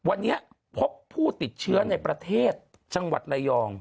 วันนี้พบผู้ติดเชื้อในประเทศจังหวัดระยอง